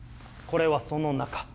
これはその中